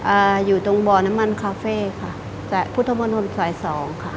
อ่าอยู่ตรงบ่อน้ำมันคาเฟ่ค่ะจากพุทธมนตรสายสองค่ะ